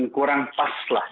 kurang pas lah